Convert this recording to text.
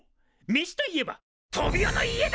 めしといえばトビオの家だ！